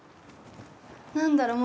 何だろう？